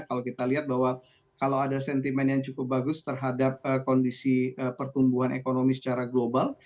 kalau kita lihat bahwa kalau ada sentimen yang cukup bagus terhadap kondisi pertumbuhan ekonomi secara global